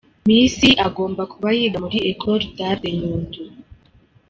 Miss agomba kuba yiga muri Ecole d’Art de Nyundo.